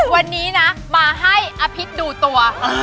วันนี้นะมาให้อภิษดูตัว